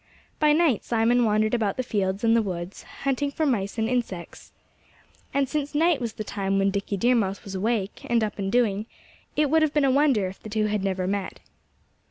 By night Simon wandered about the fields and the woods, hunting for mice and insects. And since night was the time when Dickie Deer Mouse was awake, and up and doing, it would have been a wonder if the two had never met.